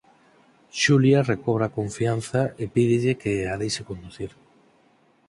Xulia recobra a confianza e pídelle que a deixe conducir.